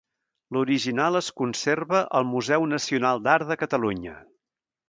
L'original es conserva al Museu Nacional d'Art de Catalunya.